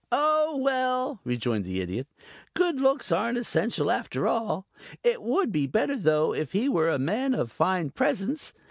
"Oh, well," rejoined the Idiot, "good looks aren't essential after all. It would be better though if he were a man of fine presence.